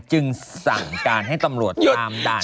จึงสั่งการให้ตำรวจตามด่าน